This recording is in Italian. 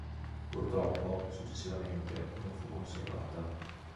Purtroppo, successivamente non fu conservata.